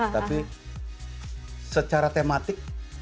tapi secara tematik